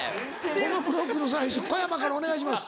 このブロックの最初小山からお願いします。